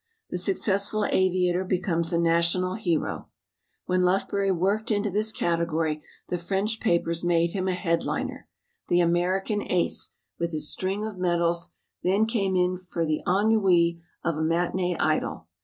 The successful aviator becomes a national hero. When Lufbery worked into this category the French papers made him a head liner. The American "Ace," with his string of medals, then came in for the ennuis of a matinee idol.